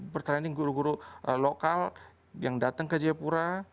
ber training guru guru lokal yang datang ke jayapura